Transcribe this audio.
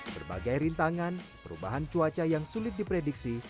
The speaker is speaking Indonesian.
berbagai rintangan perubahan cuaca yang sulit diprediksi